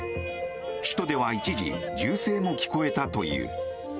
首都では一時、銃声も聞こえたという。